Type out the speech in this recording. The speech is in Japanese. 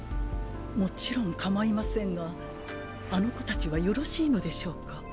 もちろん構いませんがあの子たちはよろしいのでしょうか？